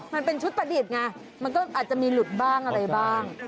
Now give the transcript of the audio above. มันเป็นชุดประดิษฐ์ไงมันก็อาจจะมีหลุดบ้างอะไรบ้าง